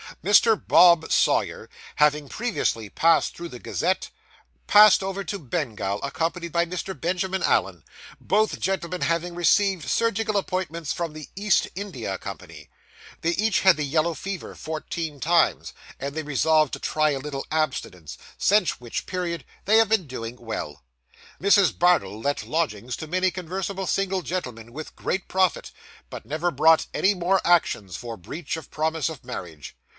Mr. Bob Sawyer, having previously passed through the Gazette, passed over to Bengal, accompanied by Mr. Benjamin Allen; both gentlemen having received surgical appointments from the East India Company. They each had the yellow fever fourteen times, and then resolved to try a little abstinence; since which period, they have been doing well. Mrs. Bardell let lodgings to many conversable single gentlemen, with great profit, but never brought any more actions for breach of promise of marriage.